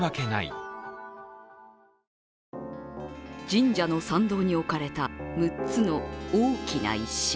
神社の参道に置かれた６つの大きな石。